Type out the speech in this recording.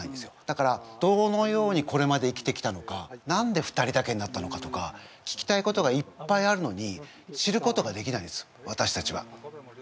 だからどのようにこれまで生きてきたのか何で２人だけになったのかとか聞きたいことがいっぱいあるのに知ることができないんですわたしたちは。